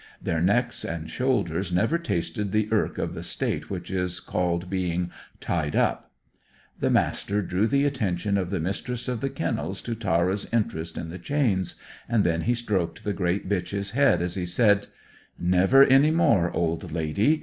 Their necks and shoulders had never tasted the irk of the state which is called being "tied up.") The Master drew the attention of the Mistress of the Kennels to Tara's interest in the chains, and then he stroked the great bitch's head as he said "Never any more, old lady.